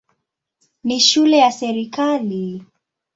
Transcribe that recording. Ni shule ya serikali.